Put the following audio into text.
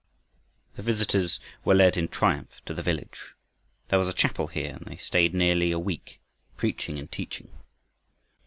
The visitors were led in triumph to the village. There was a chapel here, and they stayed nearly a week, preaching and teaching.